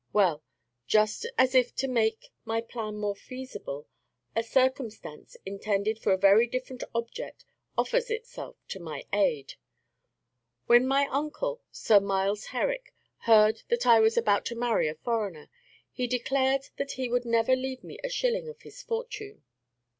Well, just as if to make my plan more feasible, a circumstance intended for a very different object offers itself to my aid. When my uncle, Sir Miles Herrick, heard that I was about to marry a foreigner, he declared that he would never leave me a shilling of his fortune.